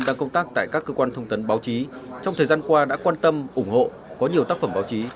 đang công tác tại các cơ quan thông tấn báo chí trong thời gian qua đã quan tâm ủng hộ có nhiều tác phẩm báo chí